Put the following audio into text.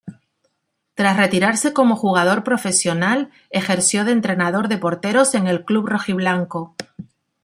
Tras retirarse como jugador profesional, ejerció de entrenador de porteros en el club rojiblanco.